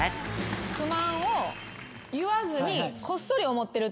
不満を言わずにこっそり思ってるっていう。